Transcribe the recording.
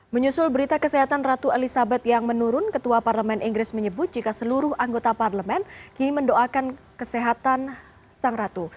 menyusul berita kesehatan ratu elizabeth yang menurun ketua parlemen inggris menyebut jika seluruh anggota parlemen kini mendoakan kesehatan sang ratu